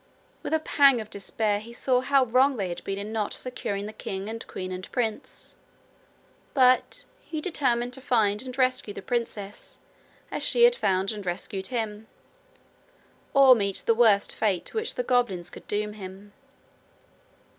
With a pang of despair he saw how wrong they had been in not securing the king and queen and prince; but he determined to find and rescue the princess as she had found and rescued him, or meet the worst fate to which the goblins could doom him.